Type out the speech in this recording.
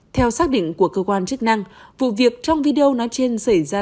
theo xác định của cơ quan chức năng vụ việc trong video nói trên xảy ra